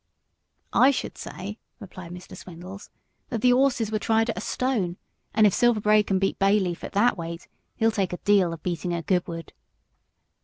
"I should say," replied Mr. Swindles, "that the 'orses were tried at twenty one pounds, and if Silver Braid can beat Bayleaf at that weight, he'll take a deal of beating at Goodwood."